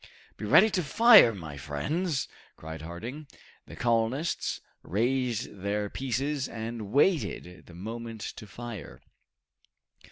"Be ready to fire, my friends!" cried Harding. The colonists raised their pieces and waited the moment to fire.